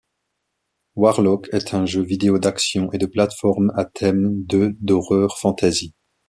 Warlock, est un jeu vidéo d'action et de plates-formes à thème de d'horreur fantasy.